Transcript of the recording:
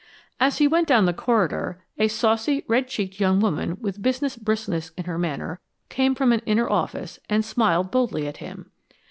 As he went down the corridor, a saucy, red cheeked young woman with business briskness in her manner came from an inner office and smiled boldly at him.